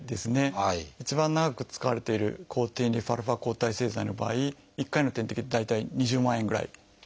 一番長く使われている抗ＴＮＦ−α抗体製剤の場合１回の点滴で大体２０万円ぐらいかかります。